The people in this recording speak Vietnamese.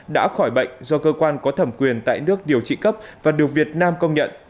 đã khỏi bệnh do cơ quan có thẩm quyền tại nước điều trị cấp và được việt nam công nhận